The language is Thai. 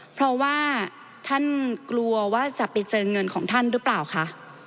เพราะว่าท่านกลัวว่าจะไปเจอเงินของท่านหรือเปล่าคะ